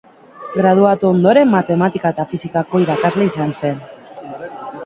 Graduatu ondoren, matematika eta fisikako irakasle izan zen.